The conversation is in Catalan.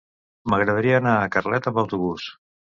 M'agradaria anar a Carlet amb autobús.